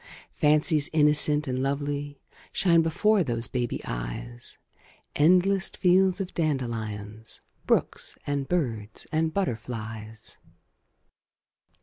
Fancies innocent and lovely Shine before those baby eyes, Endless fields of dandelions, Brooks, and birds, and butterflies.